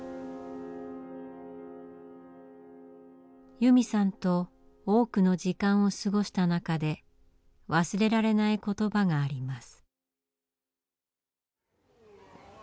由美さんと多くの時間を過ごした中で忘れられない言葉があります。